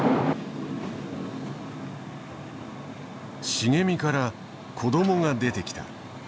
茂みから子供が出てきた。